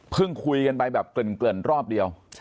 คุยกันไปแบบเกริ่นรอบเดียว